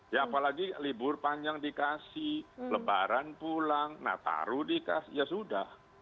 ya apalagi libur panjang dikasih lebaran pulang nah taruh dikasih ya sudah